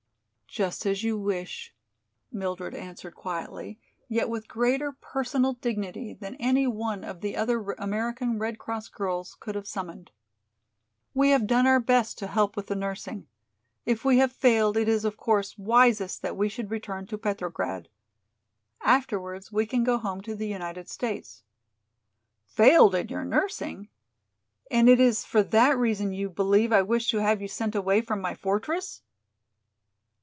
"Just as you wish," Mildred answered quietly, yet with greater personal dignity than any one of the other American Red Cross girls could have summoned. "We have done our best to help with the nursing. If we have failed it is, of course, wisest that we should return to Petrograd. Afterwards we can go home to the United States." "Failed in your nursing? And it is for that reason you believe I wish to have you sent away from my fortress?"